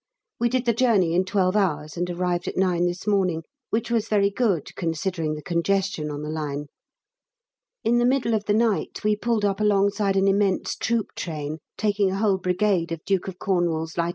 We did the journey in twelve hours, and arrived at 9 this morning, which was very good, considering the congestion on the line. In the middle of the night we pulled up alongside an immense troop train, taking a whole Brigade of D. of Cornwall's L.I.